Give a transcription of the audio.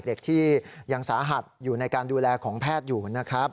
เด็กที่ยังสาหัสอยู่ในการดูแลของแพทย์อยู่นะครับ